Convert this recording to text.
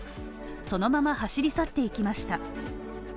そのまま走り去っていきました。